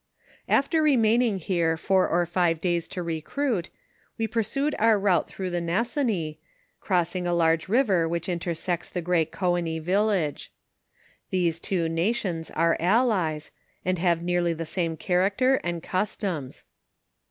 After remaining here four or five days to recruit, we pur* sued our route through the Nassonis, crossing a large river which intersects the great Goenis village. These two nations are allies, and have nearly the same character and customs.